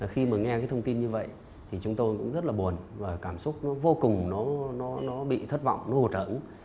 khi mà nghe cái thông tin như vậy thì chúng tôi cũng rất là buồn và cảm xúc nó vô cùng nó bị thất vọng nó hụt